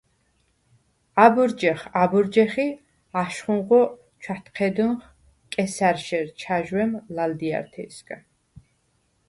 აბჷრჯეხ, აბჷრჯეხ ი აშხუნღო ჩვა̈თჴედჷნხ კესა̈რშერ ჩაჟვემ ლა̈ლდიართეჲსგა.